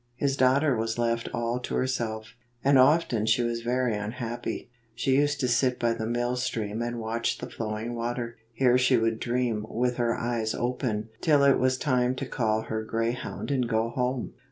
His daughter was left all to herself, and often she was very unhappy. She used to sit by the mill stream and watch the flowing water. Here she would dream with her eyes open till it was time to call her grey hound and go home.